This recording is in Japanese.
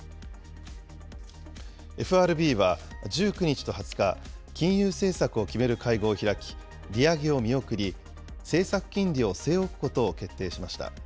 ＦＲＢは１９日と２０日、金融政策を決める会合を開き、利上げを見送り、政策金利を据え置くことを決定しました。